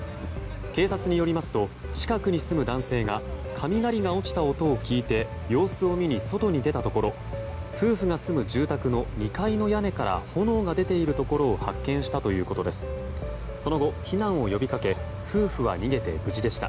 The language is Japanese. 警察によりますと近くに住む男性が雷が落ちた音を聞いて様子を見に外に出たところ夫婦が住む住宅の２階の屋根から炎が出ているところを発見したということです。